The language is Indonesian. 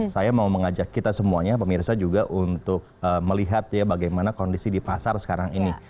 saya mau mengajak kita semuanya pemirsa juga untuk melihat ya bagaimana kondisi di pasar sekarang ini